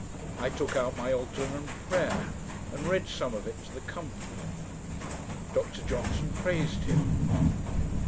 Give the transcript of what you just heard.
I took out my Ogden On Prayer, and read some of it to the company. Dr Johnson praised him.